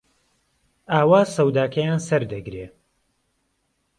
ئاوا سەوداکەیان سەردەگرێ